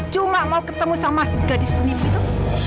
cuma mau ketemu sama si gadis penipu itu